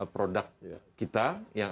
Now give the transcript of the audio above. produk kita yang